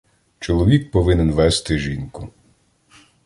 Чоловік повинен вести жінку.